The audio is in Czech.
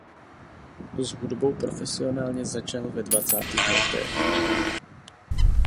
S hudbou profesionálně začal ve dvacátých letech.